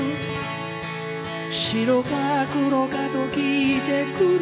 「白か黒かと聞いてくる」